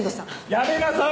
やめなさい！